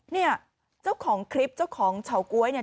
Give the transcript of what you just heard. เนี่ยเจ้าของคลิปเจ้าของเฉาก๊วยเนี่ย